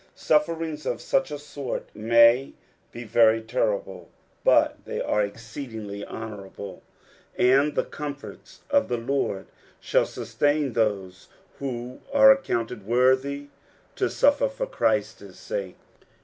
Sufferings of such a sort may be very terrible, but they are exceedingly honourable, and the comforts of the Lord shall sustain those who are accounted worthy to suffer for Christ's sske.